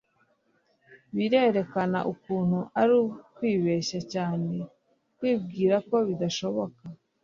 birerekana ukuntu ari ukwibeshya cyane kwibwira ko bidashoboka